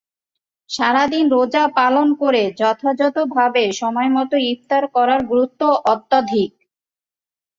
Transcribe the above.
সারা দিন রোজা পালন করে যথাযথভাবে সময়মতো ইফতার করার গুরুত্ব অত্যধিক।